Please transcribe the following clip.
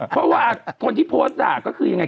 เพราะว่าคนที่โพสต์ด่าก็คือยังไง